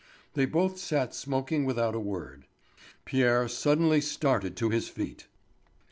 They both sat smoking without a word. Pierre suddenly started to his feet.